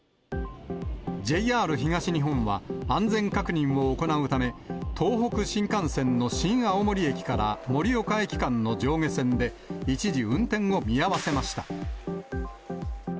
ＪＲ東日本は、安全確認を行うため、東北新幹線の新青森駅から盛岡駅間の上下線で一時、運転を見合わせました。